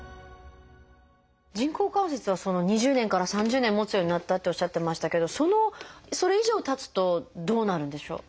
人工関節は２０年から３０年もつようになったっておっしゃってましたけどそのそれ以上たつとどうなるんでしょう？